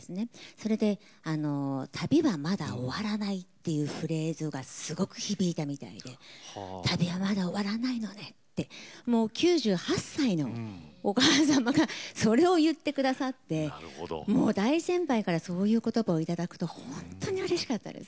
それで旅はまだ終わらないっていうフレーズがすごく響いたみたいで旅はまだ終わらないのねと９８歳のお母様がそれを言ってくださって大先輩からそういう言葉をいただけて本当にうれしかったです。